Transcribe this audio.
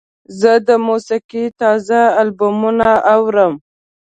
زه د موسیقۍ تازه البومونه اورم.